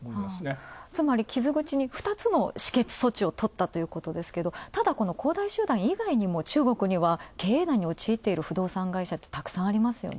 つまり、傷靴に２つ止血措置をとったということですがこの恒大集団以外にも中国には、経営難におちいっている不動産会社たくさんありますよね。